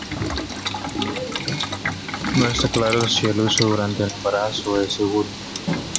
No está claro si el uso durante el embarazo es seguro.